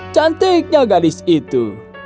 cantiknya gadis itu